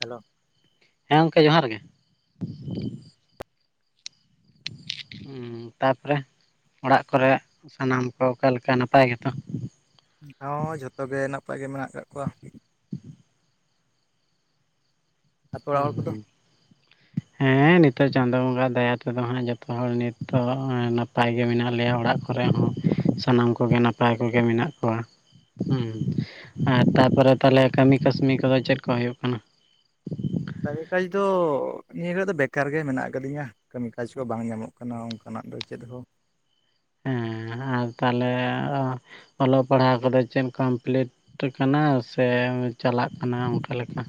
Hello ᱦᱮᱸ ᱜᱚᱢᱠᱮ ᱡᱚᱦᱟᱨ ᱜᱮ ᱛᱟᱯᱚᱨᱮ ᱚᱲᱟᱜ ᱠᱚᱨᱮ ᱥᱟᱱᱟᱢ ᱠᱚ ᱚᱠᱟᱞᱮᱠᱟ ᱱᱟᱯᱟᱭ ᱜᱮᱛᱚ᱾ ᱦᱚᱸ ᱡᱷᱚᱛᱚ ᱜᱮ ᱱᱟᱯᱟᱭ ᱜᱮ ᱢᱮᱱᱟᱜ ᱟᱠᱟᱜ ᱠᱚᱣᱟ᱾ ᱟᱛᱳ ᱚᱲᱟᱜ ᱦᱩᱸ ᱦᱚᱲ ᱠᱚᱫᱚ ᱦᱩᱸ ᱦᱮᱸ ᱱᱤᱛᱚᱜ ᱪᱟᱸᱫᱳ ᱵᱚᱸᱜᱟ ᱟᱜ ᱫᱟᱭᱟ ᱛᱮᱫᱚ ᱦᱟᱸᱜ ᱡᱚᱛᱚ ᱦᱚᱲ ᱱᱤᱛᱚᱜ ᱱᱟᱯᱟᱭ ᱱᱟᱯᱟᱭ ᱜᱮ ᱢᱮᱱᱟᱜ ᱞᱮᱭᱟ ᱚᱲᱟᱜ ᱠᱚᱨᱮ ᱦᱚᱸ ᱥᱟᱱᱟᱢ ᱠᱚᱜᱮ ᱱᱟᱯᱟᱭ ᱠᱚᱜᱮ ᱢᱮᱱᱟᱜ ᱠᱚᱣᱟ᱾ ᱦᱮᱸ ᱟᱨ ᱛᱟᱯᱚᱨᱮ ᱛᱟᱦᱚᱞᱮ ᱠᱟᱹᱢᱤ ᱠᱟᱹᱥᱱᱤ ᱠᱚᱫᱚ ᱪᱮᱫ ᱠᱚ ᱦᱩᱭᱩᱜ ᱠᱟᱱᱟ? ᱠᱟᱹᱢᱤ ᱠᱟᱡᱽ ᱫᱚ ᱱᱤᱭᱟᱹ ᱨᱮᱫᱚ ᱫᱚ ᱵᱮᱠᱟᱨ ᱜᱮ ᱢᱮᱱᱟᱜ ᱟᱠᱟᱫᱤᱧᱟ ᱠᱟᱹᱢᱤ ᱠᱟᱡᱽ ᱠᱚ ᱵᱟᱝ ᱧᱟᱢᱚᱜ ᱠᱟᱱᱟ᱾ ᱠᱟᱱᱟ ᱚᱱᱠᱟᱱᱟᱜ ᱫᱚ ᱪᱮᱫ ᱦᱚᱸ ᱦᱮᱸ ᱟᱨ ᱛᱟᱦᱚᱞᱮ ᱚᱞᱚᱜ ᱯᱟᱲᱦᱟᱣ ᱠᱚᱫᱚ ᱪᱮᱫ ᱠᱚᱢᱯᱞᱤᱴ ᱠᱟᱱᱟ ᱥᱮ ᱪᱟᱞᱟᱜ ᱠᱟᱱᱟ ᱚᱱᱠᱟ ᱞᱮᱠᱟ᱾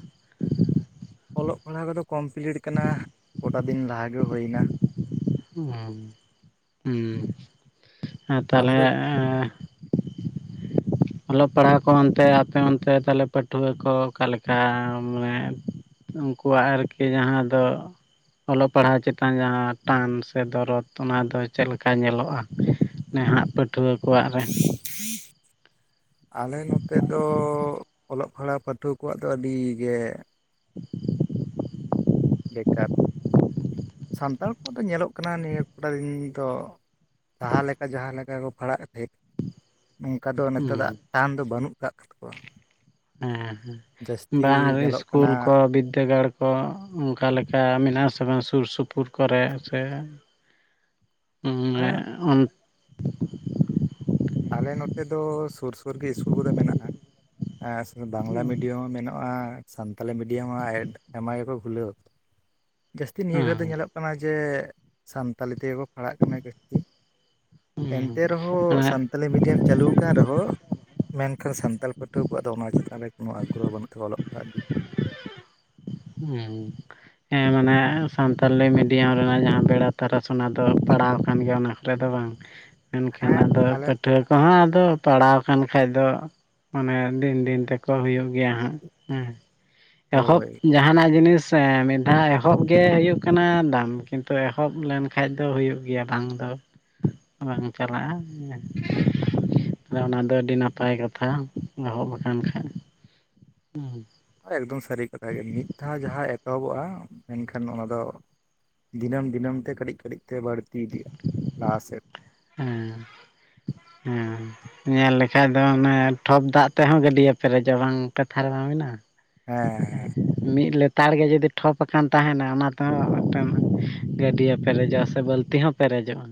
ᱚᱞᱚᱜ ᱯᱟᱲᱦᱟᱣ ᱠᱚᱫᱚ ᱠᱚᱢᱯᱞᱤᱴ ᱠᱟᱱᱟ ᱜᱚᱴᱟ ᱫᱤᱱ ᱞᱟᱦᱟᱜᱮ ᱦᱩᱭ ᱮᱱᱟ᱾ ᱚᱸ ᱩᱸ ᱟᱨ ᱟᱢ ᱛᱟᱦᱚᱞᱮ, ᱫᱚ ᱮᱸ ᱚᱞᱚᱜ ᱯᱟᱲᱦᱟᱣ ᱠᱚ ᱚᱱᱛᱮ ᱟᱯᱮ ᱚᱱᱛᱮ ᱛᱟᱦᱚᱞᱮ ᱯᱟᱹᱴᱷᱩᱣᱟᱹ ᱠᱚ ᱚᱠᱟ ᱞᱮᱠᱟ ᱢᱟᱱᱮ ᱩᱱᱠᱩᱣᱟᱜ ᱟᱨᱠᱤ ᱡᱟᱦᱟᱸ ᱫᱚ ᱚᱞᱚᱜ ᱯᱟᱲᱦᱟᱣ ᱪᱮᱛᱟᱱ ᱡᱟᱸᱦᱟᱸ ᱴᱟᱱ ᱥᱮ ᱫᱚᱨᱚᱫ ᱚᱱᱟ ᱫᱚ ᱪᱮᱫ ᱞᱮᱠᱟ ᱧᱮᱞᱚᱜ-ᱟ, ᱱᱟᱦᱟᱜ ᱯᱟᱹᱴᱷᱩᱣᱟᱹ ᱠᱚᱣᱟᱜ ᱨᱮ᱾ [inaudible] ᱟᱞᱮ ᱱᱚᱛᱮ ᱫᱚ ᱚᱞᱚᱜ ᱯᱟᱲᱦᱟᱜ ᱯᱟᱹᱴᱷᱩᱣᱟᱹ ᱠᱚᱣᱟᱜ ᱫᱚ ᱟᱹᱰᱤ ᱜᱮ [inaudible] ᱵᱮᱠᱟᱨ, ᱥᱟᱱᱛᱟᱲ ᱠᱚᱣᱟᱜ ᱫᱚ ᱧᱮᱞᱚᱜ ᱠᱟᱱᱟ ᱱᱤᱭᱟᱹ ᱠᱚᱴᱟ ᱫᱤᱱ ᱫᱚ, ᱞᱟᱦᱟ ᱞᱮᱠᱟ ᱡᱟᱸᱦᱟᱸ ᱞᱮᱠᱟ ᱠᱚ ᱯᱟᱲᱟᱜ ᱛᱟᱦᱮᱡ ᱱᱚᱝᱠᱟ ᱫᱚ ᱦᱩᱸ ᱱᱮᱛᱟᱨᱟᱜ ᱴᱟᱱ ᱫᱚ ᱵᱟᱹᱱᱩᱜ ᱠᱟᱜ ᱛᱟᱠᱚᱣᱟ᱾ ᱦᱮᱸ ᱡᱟᱹᱥᱛᱤ ᱵᱟᱝ ᱧᱮᱞᱚᱜ ᱠᱟᱱᱟ ᱤᱥᱠᱩᱞ ᱠᱚ ᱵᱤᱫᱽᱫᱟᱹ ᱜᱟᱲ ᱠᱚ ᱚᱱᱠᱟ ᱞᱮᱠᱟ ᱢᱮᱱᱟᱜ ᱟᱥᱮ ᱵᱟᱝ ᱥᱩᱨ ᱥᱩᱯᱩᱨ ᱠᱚᱨᱮ ᱥᱮ᱾ [inaudible] ᱟᱨ ᱦᱟᱸᱜ ᱚᱱ ᱟᱞᱮ ᱱᱚᱛᱮ ᱫᱚ ᱥᱩᱨ ᱥᱩᱨ ᱜᱮ ᱤᱥᱠᱩᱞ ᱠᱚᱫᱚ ᱢᱮᱱᱟᱜ-ᱟ᱾ [unintelligible] ᱵᱟᱝᱞᱟ ᱢᱤᱰᱤᱭᱟᱢ ᱦᱚᱸ ᱢᱮᱱᱟᱜᱼᱟ᱾ ᱥᱟᱱᱛᱟᱞᱤ ᱢᱤᱰᱤᱭᱟᱢ ᱦᱚᱸ ᱟᱹᱰᱤ ᱟᱭᱢᱟ ᱜᱮᱠᱚ ᱠᱷᱩᱞᱟᱹᱣ, ᱡᱟᱹᱥᱛᱤ ᱱᱤᱭᱟᱹ ᱜᱷᱟᱹᱲᱤᱡ ᱫᱚ ᱧᱮᱞᱚᱜ ᱠᱟᱱᱟ ᱡᱮ ᱥᱟᱱᱛᱟᱞᱤ ᱛᱮᱜᱮ ᱠᱚ ᱯᱟᱲᱦᱟᱜ ᱠᱟᱱᱟ ᱡᱟᱹᱥᱛᱤ᱾ ᱮᱱᱛᱮ ᱨᱮᱦᱚᱸ ᱢᱟᱱᱮ ᱥᱟᱱᱛᱟᱞᱤ ᱢᱤᱰᱤᱭᱟᱢ ᱪᱟᱹᱞᱩ ᱟᱠᱟᱱ ᱨᱮᱦᱚᱸ ᱢᱮᱱᱠᱷᱟᱱ ᱥᱟᱱᱛᱟᱞ ᱯᱟᱹᱴᱷᱩᱣᱟᱹ ᱠᱚᱣᱟᱜ ᱫᱚ ᱚᱱᱟ ᱪᱮᱛᱟᱱ ᱨᱮ ᱠᱚᱱᱚ ᱟᱜᱽᱨᱚᱦᱚ ᱵᱟᱹᱱᱩᱜ ᱛᱟᱠᱚᱣᱟ ᱚᱞᱚᱜ ᱯᱟᱲᱦᱟᱜ ᱞᱟᱹᱜᱤᱫ᱾ ᱦᱩᱸ ᱦᱮᱸ ᱢᱟᱱᱮ ᱥᱟᱱᱛᱟᱞᱤ ᱢᱤᱰᱤᱭᱟᱢ ᱨᱮᱱᱟᱜ ᱡᱟᱸᱦᱟᱸ ᱵᱮᱲᱟ ᱛᱟᱨᱟᱥ ᱚᱱᱟ ᱫᱚ ᱯᱟᱲᱦᱟᱣ ᱟᱠᱟᱱ ᱜᱮᱭᱟ ᱚᱱᱟ ᱠᱚᱨᱮ ᱫᱚ ᱵᱟᱝ᱾ ᱢᱮᱱᱠᱷᱟᱱ ᱦᱮᱸ ᱟᱫᱚ ᱟᱞᱮ ᱯᱟᱹᱴᱷᱣᱟᱹ ᱠᱚᱦᱚᱸ ᱟᱫᱚ ᱯᱟᱲᱦᱟᱣ ᱟᱠᱟᱱ ᱠᱷᱟᱡ ᱫᱚ ᱢᱟᱱᱮ ᱫᱤᱱ ᱫᱤᱱ ᱛᱮᱠᱚ ᱦᱩᱭᱩᱜ᱾ ᱜᱮᱭᱟ ᱦᱟᱸᱜ, ᱦᱮᱸ ᱮᱦᱚᱵ ᱦᱳᱭ ᱡᱟᱦᱟᱱᱟᱜ ᱡᱤᱱᱤᱥ ᱥᱮ ᱢᱤᱫ ᱫᱷᱟᱣ ᱮᱦᱚᱵ ᱜᱮ ᱦᱩᱭᱩᱜ ᱠᱟᱱᱟ ᱫᱟᱢ ᱠᱤᱱᱛᱩ ᱮᱦᱚᱵ ᱞᱮᱱᱠᱷᱟᱱ ᱠᱷᱟᱡ ᱫᱚ ᱦᱩᱭᱩᱜ ᱜᱮᱭᱟ ᱵᱟᱝ ᱫᱚ ᱵᱟᱝ ᱪᱟᱞᱟᱜ-ᱟ᱾ ᱚᱱᱟ ᱫᱚ ᱟᱹᱰᱤ ᱱᱟᱯᱟᱭ ᱠᱟᱛᱷᱟ ᱮᱦᱚᱵ ᱠᱟᱱ ᱠᱷᱟᱡ ᱦᱩᱸ ᱮᱠᱫᱚᱢ ᱥᱟᱹᱨᱤ ᱠᱟᱛᱷᱟ ᱜᱮ ᱢᱤᱫ ᱫᱷᱟᱣ ᱡᱟᱦᱟᱸ ᱮᱛᱚᱦᱚᱵᱚᱜ-ᱟ ᱢᱮᱱᱠᱷᱟᱱ ᱚᱱᱟ ᱫᱚ ᱫᱤᱱᱟᱹᱢ ᱫᱤᱱᱟᱹᱢ ᱛᱮ ᱠᱟᱹᱴᱤᱡ ᱠᱟᱹᱴᱤᱡ ᱛᱮ ᱵᱟᱹᱲᱛᱤ ᱤᱫᱤᱜ-ᱟ ᱞᱟᱦᱟ ᱥᱮᱫ ᱦᱮᱸ ᱦᱮᱸ ᱧᱮᱞ ᱞᱮᱠᱷᱟᱡ ᱫᱚ ᱚᱱᱮ ᱴᱷᱚᱯ ᱫᱟᱜ ᱛᱮᱦᱚᱸ ᱜᱟᱹᱰᱭᱟᱹ ᱯᱮᱨᱮᱡᱚᱜ ᱵᱟᱝ ᱠᱟᱛᱷᱟ ᱨᱮᱢᱟ ᱢᱮᱱᱟᱜ-ᱟ᱾ ᱦᱮᱸ ᱦᱮᱸ ᱢᱤᱫ ᱞᱮᱛᱟᱲ ᱜᱮ ᱡᱩᱫᱤ ᱴᱷᱚᱯ ᱟᱠᱟᱱ ᱛᱟᱦᱮᱱᱟ ᱚᱱᱟᱛᱮᱦᱚᱸ ᱢᱤᱫᱴᱮᱱ ᱜᱟᱹᱰᱭᱟᱹ ᱯᱮᱨᱮᱡᱚᱜ-ᱟ ᱥᱮ ᱵᱟᱹᱞᱛᱤ ᱦᱚᱸ ᱯᱮᱨᱮᱡᱚᱜ-ᱟ᱾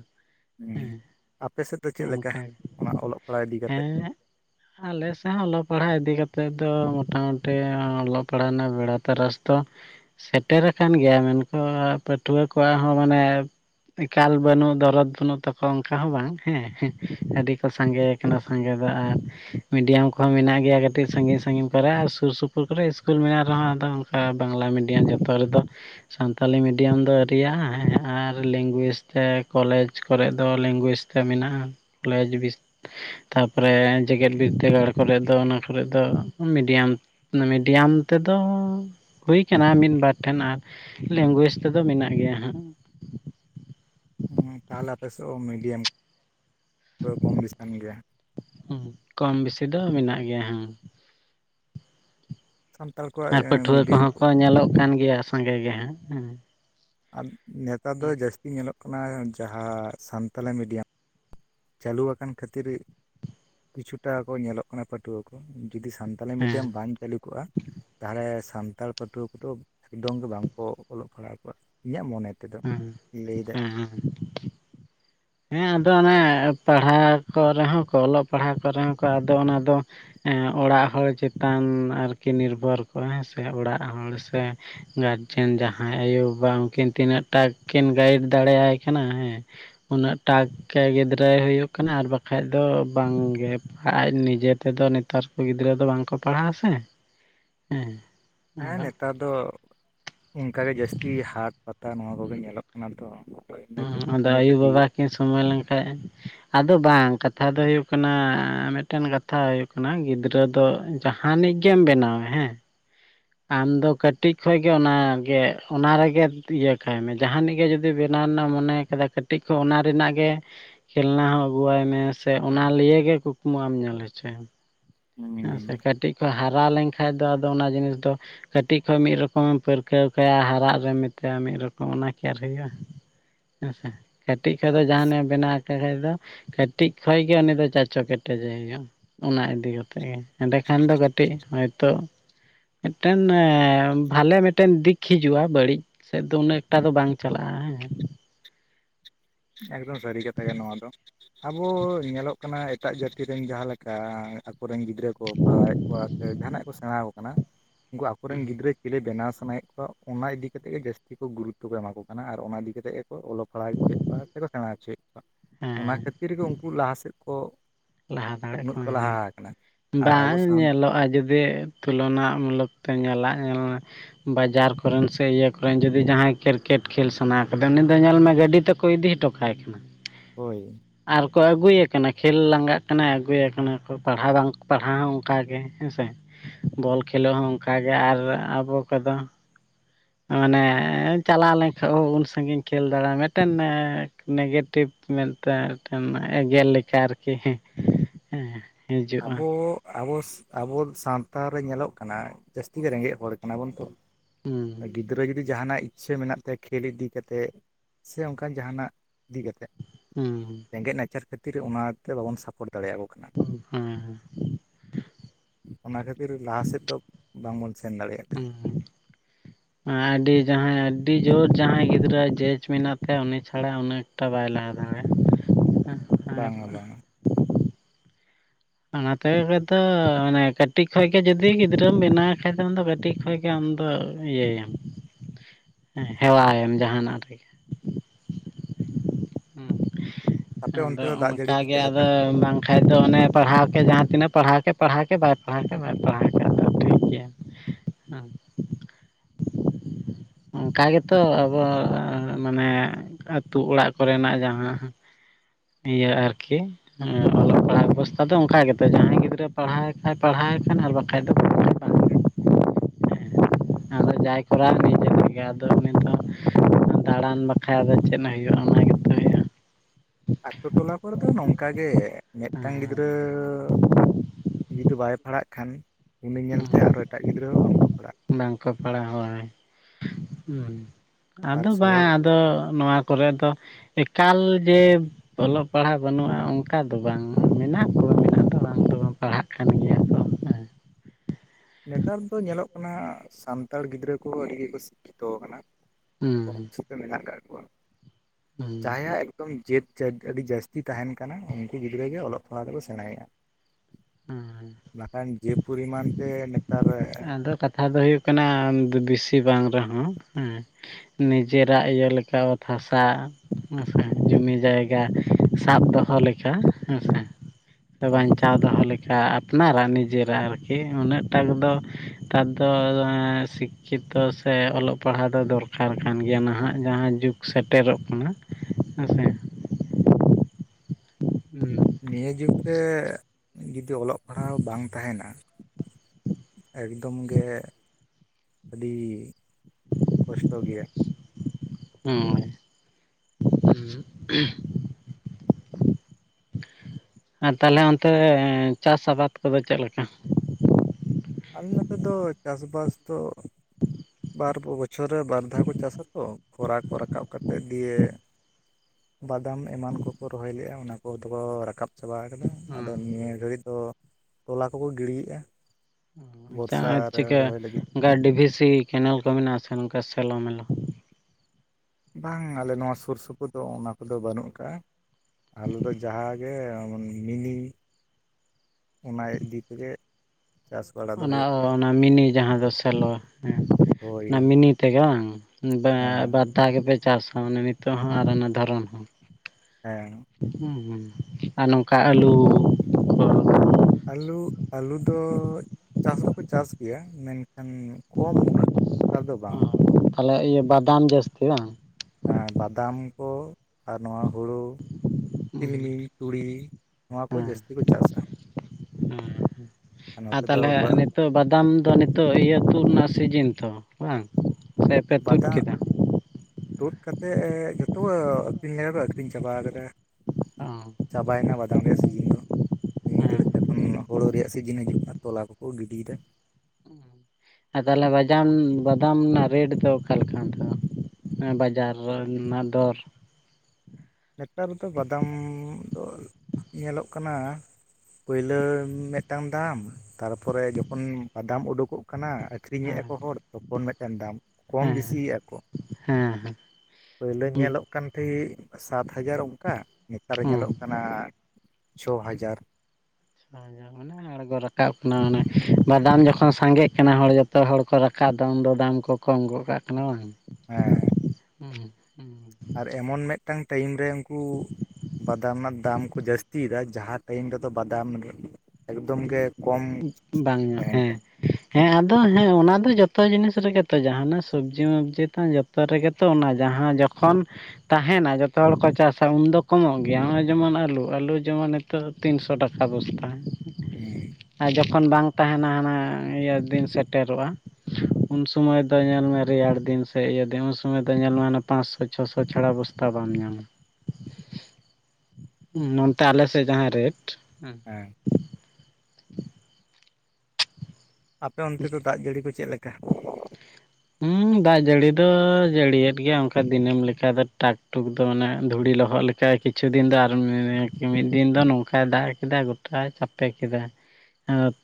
ᱦᱩᱸ ᱟᱯᱮ ᱥᱮᱫ ᱫᱚ ᱪᱮᱫ ᱞᱮᱠᱟ ᱚᱱᱠᱟᱜᱮ ᱚᱱᱟ ᱚᱞᱚᱜ ᱯᱟᱲᱦᱟᱣ ᱤᱫᱤ ᱠᱟᱛᱮᱫ? ᱦᱮᱸ ᱟᱞᱮ ᱥᱮᱫ ᱦᱚᱸ ᱚᱞᱚᱜ ᱯᱟᱲᱦᱟᱜ ᱤᱫᱤ ᱠᱟᱛᱮᱫ ᱫᱚ ᱢᱚᱴᱟᱢᱩᱴᱤ ᱚᱞᱚᱜ ᱯᱟᱲᱦᱟᱜ ᱨᱮᱱᱟᱜ ᱵᱮᱲᱟ ᱛᱟᱨᱟᱥ ᱛᱚ ᱥᱮᱴᱮᱨ ᱠᱟᱱ ᱜᱮᱭᱟ, ᱢᱮᱱᱠᱷᱟᱱ ᱯᱟᱹᱴᱷᱩᱣᱟᱹ ᱠᱚᱣᱟᱜ ᱦᱚᱸ ᱢᱟᱱᱮ ᱮᱠᱟᱞ ᱵᱟᱹᱱᱩᱜ ᱫᱚᱨᱚᱛ ᱵᱟᱱᱩᱜ ᱛᱚᱠᱚ ᱚᱱᱠᱟ ᱦᱚᱸ ᱵᱟᱝ ᱦᱮᱸ ᱟᱹᱰᱤ ᱠᱚ ᱥᱟᱸᱜᱮ ᱠᱟᱱᱟ ᱥᱟᱸᱜᱮ ᱫᱚ ᱟᱨ ᱢᱤᱰᱤᱭᱟᱢ ᱠᱚᱦᱚᱸ ᱢᱮᱱᱟᱜ ᱜᱮᱭᱟ ᱠᱟᱹᱴᱤᱡ ᱥᱟᱺᱜᱤᱧ ᱥᱟᱺᱜᱤᱧ ᱠᱚᱨᱮ ᱟᱨ ᱥᱩᱨ ᱥᱩᱯᱩᱨ ᱠᱚᱨᱮ ᱤᱥᱠᱩᱞ ᱢᱮᱱᱟᱜ ᱨᱮᱦᱚᱸ ᱟᱫᱚ ᱵᱟᱝᱞᱟ ᱢᱤᱰᱤᱭᱟᱢ ᱡᱚᱛᱚ ᱨᱮᱫᱚ ᱥᱟᱱᱛᱟᱞᱤ ᱢᱤᱰᱤᱭᱟᱢ ᱫᱚ ᱟᱹᱣᱨᱤᱭᱟᱜ-ᱟ ᱟᱨ ᱞᱮᱝᱜᱩᱭᱮᱡᱽ ᱛᱮ ᱠᱚᱞᱮᱡᱽ ᱠᱚᱨᱮ ᱫᱚ ᱞᱮᱝᱜᱩᱭᱮᱡᱽ ᱛᱮ ᱢᱮᱱᱟᱜ-ᱟ᱾ ᱠᱚᱞᱮᱡᱽ ᱵᱤᱥ ᱛᱟᱯᱚᱨᱮ ᱡᱮᱜᱮᱫ ᱵᱤᱨᱫᱽᱫᱟᱹᱜᱟᱲ ᱠᱚᱨᱮᱫ ᱫᱚ ᱚᱱᱟ ᱠᱚᱨᱮ ᱫᱚ ᱢᱤᱰᱤᱭᱟᱢ ᱢᱤᱰᱤᱭᱟᱢ ᱛᱮᱫᱚ ᱦᱩᱭ ᱠᱟᱱᱟ ᱢᱤᱫᱵᱟᱨ ᱴᱷᱮᱱ ᱟᱨ ᱞᱮᱝᱜᱩᱭᱮᱡ ᱛᱮᱫᱚ ᱢᱮᱱᱟᱜ ᱜᱮᱭᱟ ᱦᱟᱸᱜ ᱛᱟᱦᱚᱞᱮ ᱟᱯᱮ ᱥᱮᱜ ᱦᱚ ᱢᱤᱰᱤᱭᱟᱢ ᱠᱚᱢ ᱵᱤᱥᱤ ᱠᱟᱱ ᱜᱮᱭᱟ ᱦᱩᱸ ᱠᱚᱢ ᱵᱮᱥᱤ ᱫᱚ ᱢᱮᱱᱟᱜ ᱜᱮᱭᱟ᱾ ᱦᱩᱸ ᱥᱟᱱᱛᱟᱲ ᱠᱚ ᱠᱚᱣᱟᱜ ᱟᱨ ᱯᱟᱹᱴᱷᱣᱟᱹ ᱢᱤᱰᱤᱭᱟᱢ ᱠᱚᱦᱚᱸ ᱠᱚ ᱧᱮᱞᱚᱜ ᱠᱟᱱ ᱜᱮᱭᱟ ᱥᱟᱸᱜᱮ ᱜᱮ ᱦᱟᱸᱜ ᱦᱮ ᱟᱨ ᱱᱮᱛᱟᱨ ᱫᱚ ᱡᱟᱹᱥᱛᱤ ᱧᱮᱞᱚᱜ ᱠᱟᱱᱟ ᱡᱟᱦᱟ ᱥᱟᱱᱛᱟᱞᱤ ᱢᱤᱰᱤᱭᱟᱢ ᱪᱟᱹᱞᱩᱣᱟᱠᱟᱱ ᱠᱷᱟᱹᱛᱤᱨ ᱠᱤᱪᱷᱩᱴᱟ ᱠᱚ ᱧᱮᱞᱚᱜ ᱠᱟᱱᱟ ᱯᱟᱹᱴᱷᱩᱣᱟᱹ ᱠᱚ ᱡᱩᱫᱤ ᱥᱟᱱ ᱥᱟᱱᱛᱟᱞᱤ ᱦᱮᱸ ᱢᱤᱰᱤᱭᱟᱢ ᱵᱟᱝ ᱪᱟᱹᱞᱩ ᱠᱚᱜ-ᱟ ᱛᱟᱦᱮᱞᱮ ᱥᱟᱱᱛᱟᱲ ᱯᱟᱹᱴᱷᱩᱣᱟᱹ ᱠᱚᱫᱚ ᱮᱠᱫᱚᱢ ᱜᱮ ᱵᱟᱝᱠᱚ ᱚᱞᱚᱜ ᱯᱟᱲᱦᱟᱣ ᱠᱚᱣᱟ ᱤᱧᱟᱹᱜ ᱢᱚᱱᱮ ᱛᱮᱫᱚ ᱞᱟᱹᱭ ᱫᱟᱭ ᱦᱩ ᱦᱮᱸ ᱟᱫᱚ ᱚᱱᱮ ᱯᱟᱲᱦᱟᱣ ᱠᱚᱜ ᱨᱮᱦᱚᱸ ᱠᱚ ᱚᱞᱚᱜ ᱯᱟᱲᱦᱟᱣ ᱠᱚᱨᱮ ᱦᱚᱸ ᱠᱚ ᱟᱫᱚ ᱚᱱᱟ ᱫᱚ ᱚᱲᱟᱜ ᱦᱚᱲ ᱪᱮᱛᱟᱱ ᱟᱨᱠᱤ ᱱᱤᱨᱵᱷᱚᱨ ᱠᱚᱜ-ᱟ ᱦᱮᱸ ᱥᱮ ᱚᱲᱟᱜ ᱦᱚᱲ ᱥᱮ ᱜᱟᱨᱡᱮᱱ ᱡᱟᱸᱦᱟᱭ ᱟᱭᱳ ᱵᱟᱵᱟ ᱩᱱᱠᱤᱱ ᱛᱤᱱᱟᱹᱜ ᱴᱟ ᱠᱤᱱ ᱜᱟᱭᱤᱰ ᱫᱟᱲᱮᱭᱟᱭ ᱠᱟᱱᱟ ᱦᱮᱸ ᱩᱱᱟᱹᱜ ᱴᱟᱠ ᱜᱮ ᱜᱤᱫᱽᱨᱟᱹᱭ ᱦᱩᱭᱩᱜ ᱠᱟᱱᱟ ᱟᱨ ᱵᱟᱠᱷᱟᱡ ᱫᱚ ᱵᱟᱝ ᱜᱮ ᱟᱡ ᱱᱤᱡᱮ ᱛᱮᱫᱚ ᱱᱮᱛᱟᱨ ᱠᱚ ᱜᱤᱫᱽᱨᱟᱹ ᱫᱚ ᱵᱟᱝᱠᱚ ᱯᱟᱲᱦᱟᱜ ᱟᱥᱮ ᱦᱮᱸ ᱦᱮᱸ ᱟᱫᱚ ᱱᱮᱛᱟᱨ ᱫᱚ ᱚᱱᱠᱟ ᱜᱮ ᱡᱟᱹᱥᱛᱤ ᱦᱟᱴ ᱯᱟᱛᱟ ᱱᱚᱣᱟ ᱠᱚᱜᱮ ᱦᱩᱸ ᱧᱮᱞᱚᱜ ᱠᱟᱱᱟ ᱛᱚ᱾ ᱱᱟᱹ ᱪᱮᱫ ᱟᱫᱚ ᱤᱱᱟᱹ ᱟᱭᱳᱼᱵᱟᱵᱟ ᱠᱷᱟᱹᱛᱤᱨ [unintelligible] ᱠᱤᱱ ᱥᱚᱢᱚᱭ ᱞᱮᱱᱠᱷᱟᱡ ᱟᱫᱚ ᱵᱟᱝ ᱠᱟᱛᱷᱟ ᱫᱚ ᱦᱩᱭᱩᱜ ᱠᱟᱱᱟ ᱢᱤᱫᱴᱮᱱ ᱠᱟᱛᱷᱟ ᱦᱩᱭᱩᱜ ᱠᱟᱱᱟ ᱜᱤᱫᱽᱨᱟᱹ ᱫᱚ ᱡᱟᱦᱟᱱᱤᱡ ᱜᱮᱢ ᱵᱮᱱᱟᱣᱮ ᱦᱮ ᱟᱢ ᱫᱚ ᱠᱟᱹᱴᱤᱡ ᱠᱷᱚᱱ ᱜᱮ ᱚᱱᱟᱜᱮ ᱚᱱᱟ ᱨᱮᱜᱮ ᱤᱭᱟᱹ ᱠᱟᱭᱢᱮ ᱡᱟᱦᱟᱱᱤᱡ ᱜᱮ ᱡᱩᱫᱤ ᱵᱮᱱᱟᱣ ᱨᱮᱱᱟᱜ ᱢᱚᱱᱮ ᱠᱟᱫᱟ ᱠᱟᱹᱴᱤᱡ ᱠᱷᱚᱡ ᱚᱱᱟ ᱨᱮᱱᱟᱜ ᱜᱮ ᱠᱷᱮᱞᱱᱟ ᱦᱚᱸ ᱟᱹᱜᱩ ᱟᱭ ᱢᱮ ᱥᱮ ᱚᱱᱟ ᱞᱤᱭᱮ ᱜᱮ ᱠᱩᱠᱢᱩ ᱟᱢ ᱧᱮᱞ ᱦᱚᱪᱚᱭᱮᱢ ᱦᱩᱸ ᱦᱮᱸ ᱥᱮ ᱠᱟᱹᱴᱤᱡ ᱠᱷᱚᱡ ᱦᱟᱨᱟ ᱞᱮᱱᱠᱷᱟᱡ ᱫᱚ ᱟᱫᱚ ᱚᱱᱟ ᱡᱤᱱᱤᱥ ᱫᱚ ᱠᱟᱹᱴᱤᱡ ᱠᱷᱚᱡ ᱢᱤᱫ ᱨᱚᱠᱚᱢ ᱯᱟᱹᱨᱠᱟᱹᱣ ᱠᱟᱭᱟ ᱦᱟᱨᱟᱜ ᱨᱮᱢ ᱢᱮᱛᱟᱭᱟ ᱢᱤᱫ ᱨᱚᱠᱚᱢ ᱚᱱᱟ ᱠᱤ ᱟᱨ ᱦᱩᱭᱩᱜ-ᱟ᱾ ᱦᱮᱸ ᱥᱮ ᱠᱟᱹᱴᱤᱡ ᱠᱷᱚᱡ ᱫᱚ ᱡᱟᱦᱟᱱᱤᱜ ᱮ ᱵᱮᱱᱟᱣ ᱮ ᱠᱷᱟᱡ ᱫᱚ ᱠᱟᱹᱴᱤᱡ ᱠᱷᱚᱡ ᱜᱮ ᱩᱱᱤ ᱫᱚ ᱪᱟᱪᱚ ᱠᱮᱴᱮᱡᱮ ᱦᱩᱭᱩᱜᱼᱟ ᱚᱱᱟ ᱤᱫᱤ ᱠᱟᱛᱮ ᱜᱮ᱾ ᱮᱸᱰᱮᱠᱷᱟᱱ ᱫᱚ ᱠᱟᱹᱴᱤᱡ ᱦᱚᱭᱛᱳ ᱢᱤᱫᱴᱮᱱ ᱵᱷᱟᱞᱮ ᱢᱤᱫᱴᱮᱱ ᱫᱤᱠ ᱦᱤᱡᱩᱜᱼᱟ, ᱵᱟᱹᱲᱤᱡ ᱥᱮᱫ ᱫᱚ ᱩᱱᱟᱹᱜ ᱮᱠᱴᱟ ᱫᱚ ᱵᱟᱝ ᱪᱟᱞᱟᱜᱼᱟ ᱦᱮᱸ᱾ ᱮᱠᱫᱚᱢ ᱥᱟᱹᱨᱤ ᱠᱟᱛᱷᱟ ᱜᱮ ᱱᱚᱣᱟ ᱫᱚ᱾ ᱟᱵᱚ ᱧᱮᱞᱚᱜ ᱠᱟᱱᱟ ᱮᱴᱟᱜ ᱡᱟᱹᱛᱤ ᱨᱮᱱ ᱡᱟᱸᱦᱟ ᱞᱮᱠᱟ ᱟᱠᱚᱨᱮᱱ ᱜᱤᱫᱽᱨᱟᱹ ᱠᱚ ᱯᱟᱲᱦᱟᱣᱮᱫ ᱠᱚᱣᱟ ᱥᱮ ᱡᱟᱸᱦᱟᱱᱟᱜ ᱠᱚ ᱥᱮᱸᱬᱟᱣ ᱟᱠᱚ ᱠᱟᱱᱟ ᱩᱱᱠᱩ ᱟᱠᱚᱨᱮᱱ ᱜᱤᱫᱽᱨᱟᱹ ᱪᱤᱞᱮ ᱵᱮᱱᱟᱣ ᱥᱟᱱᱟᱭᱮᱫ ᱠᱚᱣᱟ ᱚᱱᱟ ᱤᱫᱤᱠ ᱠᱟᱛᱮ ᱜᱮ ᱡᱟᱹᱥᱛᱤ ᱠᱚ ᱜᱩᱨᱩᱛᱛᱚ ᱠᱚ ᱮᱢᱟ ᱠᱚ ᱠᱟᱱᱟ ᱟᱨ ᱚᱱᱟ ᱤᱫᱤᱠᱟ ᱠᱟᱛᱮ ᱜᱮᱠᱚ ᱚᱞᱚᱜ ᱯᱟᱲᱦᱟᱣ ᱦᱚᱪᱚᱭᱮᱫ ᱛᱮᱠᱚ ᱥᱮᱸᱬᱟ ᱦᱚᱪᱚᱭᱮᱫ ᱠᱚᱣᱟ᱾ ᱚᱱᱟ ᱦᱮᱸ ᱠᱷᱟᱹᱛᱤᱨ ᱜᱮ ᱩᱱᱠᱩ ᱞᱟᱦᱟ ᱥᱮᱫ ᱠᱚ ᱞᱟᱦᱟ ᱫᱟᱲᱮᱜ ᱩᱱᱟᱹᱜ ᱠᱚ ᱠᱟᱱᱟ ᱞᱟᱦᱟ ᱟᱠᱟᱱᱟ ᱟᱨ ᱟᱵᱚ ᱾ᱵᱟᱝ ᱥᱟᱱ ᱧᱮᱞᱚᱜᱼᱟ ᱡᱩᱫᱤ ᱛᱩᱞᱚᱱᱟ ᱢᱩᱞᱚᱠ ᱛᱮ ᱧᱮᱞᱟᱜ ᱧᱮᱞ ᱢᱮ ᱵᱟᱡᱟᱨ ᱠᱚᱨᱮᱱ ᱥᱮ ᱤᱭᱟᱹ ᱠᱚᱨᱮᱱ ᱡᱩᱫᱤ ᱡᱟᱸᱦᱟᱸᱭ ᱠᱤᱨᱠᱮᱴ ᱠᱷᱮᱞ ᱥᱟᱱᱟ ᱠᱟᱫᱮᱭᱟ ᱩᱱᱤ ᱫᱚ ᱧᱮᱞᱢᱮ ᱜᱟᱹᱰᱤ ᱛᱮ ᱠᱚ ᱤᱫᱤ ᱦᱚᱴᱚ ᱠᱟᱭ ᱠᱟᱱᱟ᱾ ᱦᱳᱭ ᱟᱨ ᱠᱚ ᱟᱹᱜᱩᱭᱮ ᱠᱟᱱᱟ ᱠᱷᱮᱞ ᱞᱟᱸᱜᱟᱜ ᱠᱟᱱᱟᱭ ᱟᱹᱜᱩᱭᱮ ᱠᱚ ᱯᱟᱲᱦᱟᱣ ᱵᱟᱝ ᱯᱟᱲᱦᱟᱣ ᱦᱚᱸ ᱚᱱᱠᱟᱜ ᱜᱮ ᱦᱮᱸ ᱥᱮ᱾ ᱵᱚᱞ ᱠᱷᱮᱞᱳᱜ ᱦᱚᱸ ᱚᱱᱠᱟᱜᱮ ᱟᱨ ᱟᱵᱚ ᱠᱚᱫᱚ᱾ ᱢᱟᱱᱮ ᱪᱟᱞᱟᱣ ᱞᱮᱱᱠᱷᱟᱡ ᱳ ᱩᱱ ᱥᱟᱸᱜᱤᱧ ᱠᱷᱮᱞ ᱫᱟᱲᱮᱟᱢ ᱢᱤᱫᱴᱮᱱ ᱱᱮᱜᱮᱴᱤᱵᱷ ᱢᱮᱱᱛᱮ ᱢᱤᱫᱴᱮᱱ ᱮᱜᱮᱨ ᱞᱮᱠᱟ ᱟᱨᱠᱤ᱾ ᱦᱮᱸ ᱦᱮᱸ ᱟᱵᱚ, ᱟᱵᱚ, ᱟᱵᱚ ᱥᱟᱶᱛᱟ ᱨᱮ ᱧᱮᱞᱚᱜ ᱠᱟᱱᱟ ᱡᱟᱹᱥᱛᱤ ᱜᱮ ᱨᱮᱸᱜᱮᱡ ᱦᱚᱲ ᱠᱟᱱᱟ ᱵᱚᱱ ᱛᱚ᱾ ᱦᱩᱸ ᱟᱹᱰᱤ ᱜᱤᱫᱽᱨᱟᱹ ᱡᱩᱫᱤ ᱡᱟᱦᱟᱱᱟᱜ ᱤᱪᱪᱷᱟᱹ ᱢᱮᱱᱟᱜ ᱛᱟᱭᱟ ᱠᱷᱮᱞ ᱤᱫᱤ ᱠᱟᱛᱮᱜ ᱥᱮ ᱚᱱᱠᱟ ᱡᱟᱦᱟᱱᱟᱜ ᱤᱫᱤ ᱠᱟᱛᱮ, ᱦᱩᱸ ᱨᱮᱸᱜᱮᱡ ᱱᱟᱪᱟᱨ ᱠᱷᱟᱹᱛᱤᱨ ᱚᱱᱟᱛᱮ ᱵᱟᱵᱚᱱ ᱥᱟᱯᱚᱴ ᱫᱟᱲᱮᱭᱟᱠᱚ ᱠᱟᱱᱟ ᱾ ᱦᱩᱸ ᱦᱩᱸ᱾ ᱚᱱᱟ ᱠᱷᱟᱹᱛᱤᱨ ᱞᱟᱦᱟ ᱥᱮᱫ ᱫᱚ ᱵᱟᱝᱵᱚᱱ ᱥᱮᱱ ᱫᱟᱲᱮᱭᱟᱜ ᱠᱟᱱ᱾ ᱩᱸ ᱦᱩᱸ ᱾ ᱟᱹᱰᱤ ᱡᱟᱦᱟᱸᱭ ᱟᱹᱰᱤ ᱡᱳᱨ ᱡᱟᱦᱟᱸᱭ ᱜᱤᱫᱽᱨᱟᱹ ᱡᱮᱡᱽ ᱢᱮᱱᱟᱜ ᱛᱟᱭᱟ ᱩᱱᱤ ᱪᱷᱟᱲᱟ ᱩᱱᱤ ᱴᱟ ᱵᱟᱭ ᱞᱟᱦᱟ ᱫᱟᱲᱮᱜ ᱵᱟᱝᱟ ᱵᱟᱝᱟ᱾ ᱚᱱᱟᱛᱮ [inaudible] ᱢᱟᱱᱮ ᱠᱟᱹᱴᱤᱡ ᱠᱷᱚᱡ ᱜᱮ ᱡᱩᱫᱤ ᱜᱤᱫᱽᱨᱟᱹᱢ ᱵᱮᱱᱟᱣᱮ ᱠᱷᱟᱡ ᱫᱚ ᱠᱟᱹᱴᱤᱡ ᱠᱷᱚᱡ ᱟᱢ ᱫᱚ ᱤᱭᱟᱹᱭᱟᱢ ᱦᱮᱣᱟᱭᱮᱢ ᱡᱟᱦᱟᱱᱟᱜ ᱨᱮᱜᱮ᱾ ᱦᱩᱸ ᱟᱯᱮ ᱚᱱᱛᱮ ᱟᱫᱚ ᱫᱚ ᱫᱟᱜ ᱡᱟᱹᱲᱤ ᱠᱚ ᱚᱱᱠᱟᱜᱮ ᱪᱮᱫ ᱞᱮᱠᱟ ᱟᱫᱚ ᱵᱟᱝᱠᱷᱟᱡ ᱫᱚ ᱚᱱᱮ ᱯᱟᱲᱦᱟᱣ ᱠᱮᱫ ᱡᱟᱦᱟᱸ ᱛᱤᱱᱟᱹᱜ ᱯᱟᱲᱦᱟᱣ ᱠᱮᱫ ᱯᱟᱲᱦᱟᱣ ᱠᱮ ᱵᱟᱭ ᱯᱟᱲᱦᱟᱣ ᱠᱮᱫ ᱵᱟᱭ ᱯᱟᱲᱦᱟᱣ ᱠᱮᱫ ᱟᱫᱚ ᱴᱷᱤᱠ ᱜᱮᱭᱟ᱾ ᱦᱮᱸ᱾ ᱚᱱᱠᱟ ᱜᱮᱛᱚ ᱟᱵᱚ ᱢᱟᱱᱮ ᱟᱹᱛᱩ ᱚᱲᱟᱜ ᱠᱚᱨᱮᱱᱟᱜ ᱡᱟᱦᱟᱸ᱾ ᱤᱭᱟᱹ ᱟᱨᱠᱤ ᱦᱮᱸ ᱚᱞᱚᱜ ᱯᱟᱲᱦᱟᱜ ᱚᱵᱚᱥᱛᱟ ᱫᱚ ᱚᱱᱠᱟ ᱜᱮᱛᱚ ᱡᱟᱦᱟᱸᱭ ᱜᱤᱫᱽᱨᱟᱹ ᱯᱟᱲᱦᱟᱣ ᱠᱷᱟᱱ ᱯᱟᱲᱦᱟᱣᱮ ᱠᱷᱟᱱ ᱟᱨ ᱵᱟᱠᱟᱱᱡ ᱫᱚ, ᱟᱫᱚ ᱡᱟᱭ ᱠᱚᱨᱟᱣ ᱱᱤᱡᱮ ᱛᱮᱜᱮ ᱟᱫᱚ ᱱᱤᱛᱚᱜ ᱫᱟᱬᱟᱱ ᱵᱟᱠᱷᱨᱟ ᱟᱫᱚ ᱪᱮᱫ ᱦᱩᱭᱩᱜᱼᱟ ᱚᱱᱟᱜᱮ ᱟᱛᱩ ᱴᱚᱞᱟ ᱠᱚᱨᱮ ᱫᱚ ᱱᱚᱝᱠᱟᱜᱮ ᱢᱤᱫᱴᱟᱝ ᱜᱤᱫᱽᱨᱟᱹ ᱡᱩᱫᱤ ᱵᱟᱭ ᱯᱟᱲᱦᱟᱜ ᱠᱷᱟᱱ ᱩᱱᱤ ᱧᱮᱞᱛᱮ ᱟᱨᱚ ᱮᱴᱟᱜ ᱜᱤᱫᱽᱨᱟᱹ ᱦᱚᱸ ᱵᱟᱝᱠᱚ ᱯᱟᱲᱦᱟᱜ-ᱟ᱾ ᱵᱟᱝᱠᱚ ᱯᱟᱲᱦᱟᱜ-ᱟ ᱦᱳᱭ ᱟᱨ ᱟᱫᱚ ᱵᱟᱝ ᱥᱚᱦᱚᱨ ᱟᱫᱚ ᱱᱚᱣᱟ ᱠᱚᱨᱮ ᱫᱚ ᱮᱠᱟᱞ ᱡᱮ ᱚᱞᱚᱜ ᱯᱟᱲᱦᱟᱜ ᱵᱟᱹᱱᱩᱜ-ᱟ ᱚᱱᱠᱟ ᱫᱚ ᱵᱟᱝ ᱢᱮᱱᱟᱜ ᱠᱚᱣᱟ ᱢᱮᱱᱟᱜ ᱫᱚ ᱵᱟᱝ ᱫᱚ ᱵᱟᱝ ᱯᱟᱲᱦᱟᱜ ᱠᱟᱱ ᱜᱮᱭᱟ᱾ ᱠᱚ ᱦᱮᱸ ᱱᱮᱛᱟᱨ ᱫᱚ ᱧᱮᱞᱚᱜ ᱠᱟᱱᱟ ᱥᱟᱱᱛᱟᱲ ᱜᱤᱫᱽᱨᱟᱹ ᱠᱚ ᱟᱹᱰᱤ ᱜᱮᱠᱚ ᱥᱤᱠᱠᱷᱤᱛᱚ ᱠᱟᱱᱟ᱾ ᱦᱩᱸ [unintelligible] ᱥᱤᱫ ᱛᱮ ᱢᱮᱱᱟᱜ ᱠᱟᱜ ᱠᱚᱣᱟ, ᱦᱩᱸ ᱡᱟᱦᱟᱸᱭᱟᱜ ᱮᱠᱫᱚᱢ ᱡᱮᱫ ᱟᱹᱰᱤ ᱡᱟᱹᱥᱛᱤ ᱛᱟᱦᱮᱱ ᱠᱟᱱᱟ ᱩᱱᱠᱩ ᱜᱤᱫᱽᱨᱟᱹ ᱜᱮ ᱚᱞᱚᱜ ᱯᱟᱲᱦᱟᱜ ᱜᱮᱠᱚ ᱥᱮᱬᱟᱭᱮᱫ-ᱟ᱾ ᱦᱩᱸ ᱵᱟᱠᱷᱟᱱ ᱡᱮ ᱯᱚᱨᱤᱢᱟᱱ ᱛᱮ ᱱᱮᱛᱟᱨ ᱟᱫᱚ ᱠᱟᱛᱷᱟ ᱫᱚ ᱦᱩᱭᱩᱜ ᱠᱟᱱᱟ ᱵᱮᱥᱤ ᱵᱟᱝ ᱨᱮᱦᱚᱸ ᱦᱮᱸ ᱱᱤᱡᱮᱨᱟᱜ ᱤᱭᱟᱹ ᱞᱮᱠᱟ ᱚᱛ ᱦᱟᱥᱟ ᱦᱮᱸᱥᱮ ᱡᱩᱢᱤ ᱡᱟᱭᱜᱟ ᱥᱟᱵ ᱫᱚᱦᱚ ᱞᱮᱠᱟ ᱦᱮᱸᱥᱮ ᱾ ᱥᱮ ᱩᱸ ᱵᱟᱧᱪᱟᱣ ᱫᱚᱦᱚ ᱞᱮᱠᱟ ᱟᱯᱱᱟᱨᱟᱜ ᱱᱤᱡᱮᱨᱟᱜ ᱟᱨᱠᱤ ᱩᱱᱟᱹᱜᱴᱟᱜ ᱫᱚ ᱱᱮᱛᱟᱨ ᱫᱚ ᱥᱤᱠᱠᱷᱤᱛᱚ ᱥᱮ ᱚᱞᱚᱜ ᱯᱟᱲᱦᱟᱣ ᱫᱚ ᱫᱚᱨᱠᱟᱨ ᱠᱟᱱ ᱜᱮᱭᱟ ᱱᱟᱦᱟᱜ ᱡᱟᱦᱟᱸ ᱡᱩᱜᱽ ᱥᱮᱴᱮᱨᱚᱜ ᱠᱟᱱᱟ ᱦᱮᱸ ᱥᱮ ᱾ ᱱᱤᱭᱟᱹ ᱡᱩᱜ ᱨᱮ ᱡᱩᱫᱤ ᱚᱞᱚᱜ ᱯᱟᱲᱦᱟᱣ ᱵᱟᱝ ᱛᱟᱦᱮᱱᱟ᱾ ᱮᱠᱫᱚᱢ ᱜᱮ ᱟᱹᱰᱤ ᱠᱚᱥᱴᱚ ᱜᱮᱭᱟ ᱾ ᱦᱳᱭ ᱦᱩᱸ [inaudible] ᱟᱨ ᱛᱟᱦᱚᱞᱮ ᱚᱱᱛᱮ ᱪᱟᱥ ᱟᱵᱟᱫ ᱠᱚᱫᱚ ᱪᱮᱫ ᱞᱮᱠᱟ? ᱟᱞᱮ ᱱᱚᱛᱮ ᱫᱚ ᱪᱟᱥ ᱵᱟᱥ ᱫᱚ ᱛᱟᱨᱯ ᱵᱚᱪᱷᱚᱨ ᱨᱮ ᱵᱟᱨ ᱫᱷᱟᱣ ᱠᱚ ᱪᱟᱥᱟᱛᱚ ᱠᱷᱚᱨᱟ ᱠᱚ ᱨᱟᱠᱟᱵ ᱠᱟᱛᱮᱜ ᱫᱤᱭᱮ ᱵᱟᱫᱟᱢ ᱮᱢᱟᱱ ᱠᱚᱠᱚ ᱨᱚᱦᱚᱭ ᱞᱮᱜ-ᱟ ᱚᱱᱟ ᱠᱚᱫᱚ ᱨᱟᱠᱟᱵ ᱪᱟᱵᱟᱣ ᱠᱟᱫᱚ ᱟᱫᱚ ᱱᱤᱭᱟᱹ ᱜᱷᱟᱹᱲᱤᱡ ᱫᱚ ᱛᱚᱞᱟ ᱠᱚᱠᱚ ᱜᱤᱲᱤᱭᱮᱜ-ᱟ᱾ ᱟᱪᱪᱷᱟ ᱪᱤᱠᱠᱟᱹ ᱞᱟᱹᱜᱤᱫ ᱚᱱᱠᱟ ᱰᱤ ᱵᱷᱤ ᱥᱤ ᱠᱮᱱᱮᱞ ᱠᱚ ᱢᱮᱱᱟᱜ-ᱟ ᱥᱮ ᱱᱚᱝᱠᱟ ᱥᱮᱞᱳ ᱢᱮᱞᱳ ᱾ ᱵᱟᱝ ᱟᱞᱮ ᱱᱚᱣᱟ ᱥᱩᱨ ᱥᱩᱯᱩᱨ ᱫᱚ ᱚᱱᱟ ᱠᱚᱫᱚ ᱵᱟᱹᱱᱩᱜ ᱠᱟᱜ-ᱟ᱾ ᱟᱞᱮ ᱫᱚ ᱡᱟᱦᱟᱸᱜᱮ ᱢᱤᱱᱤ ᱚᱱᱟ ᱤᱫᱤ ᱛᱮᱜᱮ ᱪᱟᱥ ᱵᱟᱲᱟ ᱫᱚ ᱚᱱᱟ ᱦᱩᱭᱩᱜ ᱜᱮᱭᱟ ᱚᱱᱟ ᱢᱤᱱᱤ ᱡᱟᱦᱟᱸ ᱫᱚ ᱥᱮᱞᱚ, ᱦᱮᱸ ᱦᱳᱭ ᱚᱱᱟ ᱢᱤᱱᱤ ᱛᱮᱜ ᱵᱟᱝ᱾ ᱦᱩᱸ ᱵᱟ ᱦᱮᱸ ᱵᱟᱨ ᱫᱷᱟᱣ ᱜᱮᱯᱮ ᱪᱟᱥᱟ ᱢᱟᱱᱮ ᱱᱤᱛᱳᱜ ᱦᱚᱸ ᱟᱨ ᱚᱱᱟ ᱫᱷᱚᱨᱚᱱ ᱦᱚᱸ᱾ ᱦᱮᱸ ᱦᱩᱸ ᱦᱩᱸ ᱟᱨ ᱱᱚᱝᱠᱟ ᱟᱹᱞᱩ ᱠᱚ ᱟᱹᱞᱩ ᱟᱹᱞᱩ ᱫᱚ ᱪᱟᱥ ᱫᱚᱠᱚ ᱪᱟᱥ ᱜᱮᱭᱟ ᱢᱮᱱ ᱠᱚᱢ ᱩᱱᱟᱹᱜ ᱴᱟ ᱫᱚ ᱵᱟᱝ᱾ ᱛᱟᱦᱚᱞᱮ ᱤᱭᱟᱹ ᱵᱟᱫᱟᱢ ᱡᱟᱹᱥᱛᱤ ᱵᱟᱝ? ᱮ ᱵᱟᱫᱟᱢ ᱠᱚ ᱟᱨ ᱱᱚᱣᱟ ᱦᱩᱲᱩ ᱛᱤᱞᱢᱤᱧ, ᱦᱩᱸ ᱛᱩᱲᱤ, ᱱᱚᱣᱟ ᱠᱚ ᱦᱮᱸ ᱡᱟᱹᱥᱛᱤ ᱠᱚ ᱪᱟᱥᱟ ᱦᱩᱸ ᱟᱨ ᱱᱚᱛᱮ ᱫᱚ ᱱᱤᱛᱚᱜ ᱵᱟᱫᱟᱢ ᱫᱚ ᱱᱤᱛᱚᱜ ᱤᱭᱟᱹ ᱛᱩᱜ ᱨᱮᱱᱟᱜ ᱥᱤᱡᱤᱱ ᱛᱚ ᱵᱟᱝ? ᱥᱮ ᱯᱮ ᱛᱩᱫ ᱵᱟᱫᱟᱜ ᱠᱮᱫᱟ? ᱛᱩᱫ ᱠᱟᱛᱮ ᱡᱚᱛᱚ ᱟᱹᱠᱷᱨᱤᱧ ᱞᱮᱜᱟ ᱠᱚ ᱟᱹᱠᱷᱨᱤᱧ ᱪᱟᱵᱟ ᱟᱠᱟᱫᱟ ᱾ ᱚ ᱪᱵᱟᱭᱱᱟ ᱵᱟᱫᱟᱢ ᱨᱮ ᱥᱤᱡᱤᱱ ᱫᱚ ᱱᱤᱭᱟᱹ ᱦᱮᱸ ᱜᱷᱟᱹᱲᱤᱡ ᱡᱚᱠᱷᱚᱱ ᱦᱳᱲᱳ ᱨᱮᱭᱟᱜ ᱥᱤᱡᱤᱱ ᱦᱤᱡᱩᱜ ᱠᱟᱱᱟ, ᱛᱚᱞᱟ ᱠᱚᱠᱚ ᱜᱤᱰᱤᱭᱮᱫᱟ ᱾ ᱟᱨ ᱛᱟᱦᱚᱞᱮ ᱵᱟᱡᱟᱢ ᱵᱟᱫᱟᱢ ᱨᱮᱱᱟᱜ ᱨᱮᱴ ᱫᱚ ᱚᱠᱟᱞᱮᱠᱟ ᱚᱱᱛᱮ ᱫᱚ? ᱵᱟᱡᱟᱨ ᱨᱮᱱᱟᱜ ᱫᱚᱨ? ᱱᱮᱛᱟᱨ ᱫᱚ ᱵᱟᱫᱟᱢ ᱫᱚ ᱧᱮᱞᱚᱜ ᱠᱟᱱᱟ ᱾ ᱯᱩᱭᱞᱟᱹ ᱢᱤᱫᱴᱟᱝ ᱫᱟᱢ ᱛᱟᱨᱯᱚᱨᱮ ᱡᱚᱠᱷᱚᱱ ᱵᱟᱫᱟᱢ ᱩᱰᱩᱠᱚᱜ ᱠᱟᱱᱟ, ᱟᱹᱠᱷᱨᱤᱧᱮᱫ ᱦᱮᱸ ᱟᱠᱚ ᱦᱚᱲ ᱛᱚᱠᱷᱚᱱ ᱢᱤᱫᱴᱮᱱ ᱫᱟᱢ ᱠᱚᱢ ᱦᱮᱸ ᱵᱮᱥᱤᱭᱮᱫ ᱟᱠᱚ ᱦᱮᱸ ᱦᱮᱸ ᱾ ᱯᱳᱭᱞᱳ ᱧᱮᱞᱚᱜ ᱠᱟᱱ ᱛᱟᱦᱮᱸ ᱥᱟᱛ ᱦᱟᱡᱟᱨ ᱚᱱᱠᱟ, ᱱᱮᱛᱟᱨ ᱦᱚᱸ ᱦᱩᱸ ᱧᱮᱞᱚᱜ ᱠᱟᱱᱟ ᱪᱷᱚ ᱦᱟᱡᱟᱨ ᱾ ᱪᱷᱚ ᱦᱟᱡᱟᱨ ᱢᱟᱱᱮ ᱟᱲᱜᱚ ᱨᱟᱠᱟᱵ ᱠᱟᱱᱟ ᱚᱱᱮ ᱵᱟᱫᱟᱢ ᱡᱚᱠᱷᱚᱱ ᱥᱟᱸᱜᱮ ᱠᱟᱱᱟ ᱦᱚᱲ ᱡᱚᱛᱚ ᱦᱚᱲ ᱠᱚ ᱨᱟᱠᱟᱵ ᱫᱚ ᱩᱱ ᱫᱚ ᱫᱟᱢ ᱠᱚ ᱠᱚᱢ ᱜᱚᱜ ᱠᱟᱜ ᱠᱟᱱᱟ ᱵᱟᱝ? ᱦᱮᱸ ᱾ ᱦᱩᱸ ᱦᱩᱸ ᱦᱩᱸ᱾ ᱟᱨ ᱮᱢᱚᱱ ᱢᱤᱫᱴᱟᱝ ᱴᱟᱭᱤᱢ ᱨᱮ ᱩᱱᱠᱩ, ᱵᱟᱫᱟᱢ ᱨᱮᱱᱟᱜ ᱫᱟᱢ ᱠᱚ ᱡᱟᱹᱥᱛᱤᱭᱮᱫᱟ᱾ ᱡᱟᱦᱟᱸ ᱴᱟᱭᱤᱢ ᱨᱮᱫᱚ ᱵᱟᱫᱟᱢ ᱮᱠᱫᱚᱢ ᱜᱮ ᱠᱚᱢ ᱵᱟᱝ ᱧᱚᱜ ᱛᱟᱦᱮᱸᱱ ᱦᱮᱸ ᱠᱟᱱᱟ ᱾ ᱦᱮᱸ ᱟᱫᱚ ᱦᱮᱸ ᱚᱱᱟ ᱫᱚ ᱡᱚᱛᱚ ᱡᱤᱱᱤᱥ ᱨᱮᱜᱮ ᱛᱚ ᱡᱟᱦᱟᱸᱱᱟᱜ ᱥᱚᱵᱡᱤ ᱢᱚᱵᱡᱤ ᱛᱚ ᱡᱚ ᱛᱚ ᱨᱮᱜᱮ ᱛᱚ ᱚᱱᱟ ᱡᱟᱦᱟᱸ ᱡᱚᱠᱷᱚᱱ ᱛᱟᱦᱮᱸᱱᱟ ᱡᱚᱛᱚ ᱦᱚᱲ ᱠᱚ ᱪᱟᱥᱟ ᱩᱱᱫᱚ ᱠᱚᱢᱚᱜ ᱜᱮᱭᱟ, ᱦᱚᱸᱜᱼᱚᱭ ᱡᱮᱢᱚᱱ ᱟᱹᱞᱩ ᱟᱹᱞᱩ ᱡᱮᱢᱚᱱ ᱛᱚ ᱛᱤᱱᱥᱚ ᱴᱟᱠᱟ ᱵᱚᱥᱛᱟ ᱾ ᱦᱩᱸ ᱾ ᱟᱨ ᱡᱚᱠᱷᱚᱱ ᱵᱟᱝ ᱛᱟᱦᱮᱸᱱᱟ ᱦᱟᱱᱟ ᱤᱭᱟᱹ ᱫᱤᱱ ᱥᱮᱴᱮᱨᱚᱜᱼᱟ, ᱩᱱ ᱥᱚᱢᱚᱭ ᱫᱚ ᱧᱮᱞᱢᱮ ᱨᱮᱭᱟᱲ ᱫᱤᱱ ᱥᱮ ᱤᱭᱟᱹ ᱫᱤᱱ ᱩᱱ ᱥᱚᱢᱚᱭ ᱫᱚ ᱧᱮᱞᱢᱮ ᱚᱱᱟ ᱯᱟᱸᱪᱥᱚ ᱪᱷᱚᱥᱚ ᱪᱷᱟᱲᱟ ᱵᱚᱥᱛᱟ ᱵᱟᱢ ᱧᱟᱢᱟ᱾ ᱦᱩᱸ ᱱᱚᱱᱛᱮ ᱟᱞᱮ ᱥᱮᱫ ᱡᱟᱦᱟᱸ ᱨᱮᱴ, ᱦᱮᱸ ᱾ ᱟᱯᱮ ᱚᱱᱛᱮ ᱫᱚ ᱫᱟᱜ ᱡᱟᱹᱲᱤ ᱠᱚ ᱪᱮᱫ ᱞᱮᱠᱟ? ᱦᱩᱸ, ᱫᱟᱜ ᱡᱟᱹᱲᱤ ᱫᱚ ᱡᱟᱹᱲᱤᱭᱮᱫ ᱜᱮᱭᱟ ᱚᱱᱠᱟ ᱫᱤᱱᱟᱹᱢ ᱞᱮᱠᱟ ᱫᱚ ᱴᱟᱠ ᱴᱩᱠ ᱫᱚ ᱢᱟᱱᱮ ᱫᱷᱩᱲᱤ ᱞᱚᱦᱚᱫ ᱞᱮ ᱠᱟ, ᱠᱤᱪᱷᱩ ᱫᱤᱱ ᱫᱚ ᱟᱨ ᱢᱤᱢᱤᱫ ᱢᱤᱫ ᱫᱤᱱ ᱫᱚ ᱱᱚᱝᱠᱟᱭ ᱫᱟᱜ ᱠᱮᱫᱟ ᱜᱚᱴᱟᱭ ᱪᱟᱯᱮ ᱠᱮᱫᱟ ᱾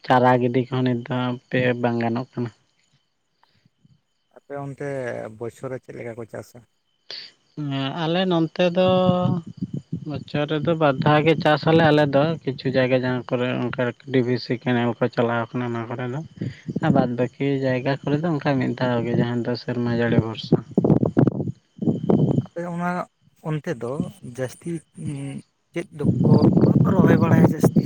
ᱪᱟᱨᱟ ᱜᱤᱰᱤ ᱠᱚᱦᱚᱸ ᱱᱤᱛ ᱫᱚ ᱦᱟᱸᱜ ᱦᱟᱯᱮ ᱵᱟᱝ ᱜᱟᱱᱚᱜ ᱠᱟᱱᱟ ᱾ ᱟᱯᱮ ᱚᱱᱛᱮ ᱵᱚᱪᱷᱚᱨ ᱨᱮ ᱪᱮᱫ ᱞᱮᱠᱟ ᱠᱚ ᱪᱟᱥᱟ? ᱟᱞᱮ ᱱᱚᱱᱛᱮ ᱫᱚ ᱵᱚᱪᱷᱚᱨ ᱨᱮᱫᱚ ᱵᱟᱨ ᱫᱷᱟᱹᱣ ᱜᱮ ᱪᱟᱥ ᱟᱞᱮ ᱟᱞᱮ ᱫᱚ, ᱠᱤᱪᱷᱩ ᱡᱟᱭᱜᱟ ᱡᱟᱦᱟᱸ ᱠᱚᱨᱮ ᱚᱱᱠᱟ ᱰᱤ. ᱵᱷᱤ. ᱥᱤ. ᱠᱮᱱᱮᱞ ᱠᱚ ᱪᱟᱞᱟᱣ ᱟᱠᱟᱱᱟ ᱚᱱᱟ ᱠᱚᱨᱮ ᱫᱚ, ᱟᱨ ᱵᱟᱫᱽ ᱵᱟᱹᱠᱤ ᱡᱟᱭᱜᱟ ᱠᱚᱨᱮᱫ ᱫᱚ ᱚᱱᱠᱟ ᱢᱤᱫ ᱫᱷᱟᱣ ᱜᱮ ᱡᱟᱦᱟᱸ ᱫᱚ ᱥᱮᱨᱢᱟ ᱡᱟᱹᱲᱤ ᱵᱷᱚᱨᱥᱟ ᱾ ᱟᱯᱮ ᱚᱱᱟ, ᱚᱱᱛᱮ ᱫᱚ ᱡᱟᱹᱥᱛᱤ ᱪᱮᱫ ᱫᱚᱠᱚ ᱨᱚᱦᱚᱭ ᱵᱟᱲᱟᱭᱟ ᱡᱟᱹᱥᱛᱤ?